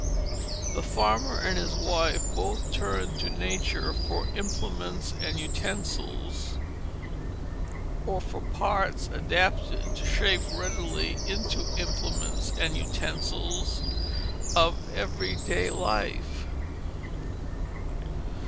The farmer and his wife both turned to Nature for implements and utensils, or for parts adapted to shape readily into the implements and utensils of every day life.